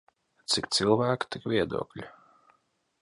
Cik cilvēku tik viedokļu.